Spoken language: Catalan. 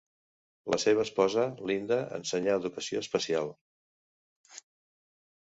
La seva esposa, Linda, ensenya educació especial.